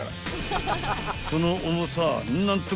［その重さ何と］